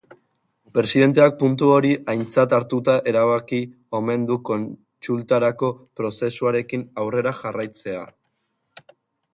Presidenteak puntu hori aintzat hartuta erabaki omen du kontsultarako prozesuarekin aurrera jarraitzea.